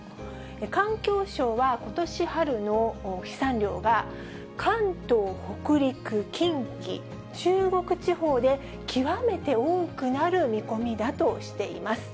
環境省はことし春の飛散量が関東、北陸、近畿、中国地方で極めて多くなる見込みだとしています。